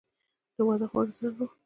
د واده خواړه څرنګه وو؟